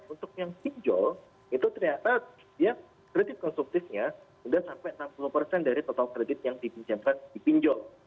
untuk yang pinjol itu ternyata dia kredit konstruktifnya sudah sampai enam puluh persen dari total kredit yang dipinjamkan di pinjol